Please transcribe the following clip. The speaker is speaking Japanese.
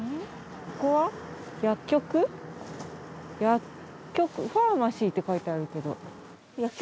薬局ファーマシーって書いてあるけど。